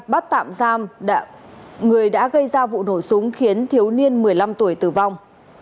bắt tạm giam người đã gây ra vụ nổ súng khiến thiếu niên một mươi năm tuổi tử vong